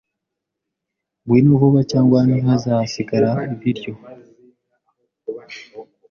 Ngwino vuba cyangwa ntihazasigara ibiryo.